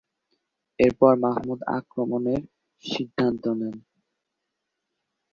এরপর মাহমুদ আক্রমণের সিদ্ধান্ত নেন।